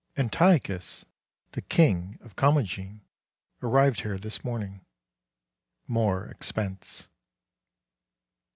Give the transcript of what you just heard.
Antiochus, the king of Commagene, arrived here this morning. More expense!